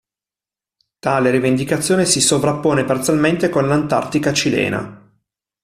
Tale rivendicazione si sovrappone parzialmente con l"'Antártica Chilena".